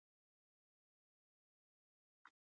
روزنه د انسان ځلا ده.